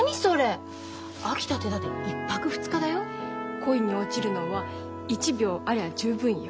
恋に落ちるのは１秒ありゃ十分よ。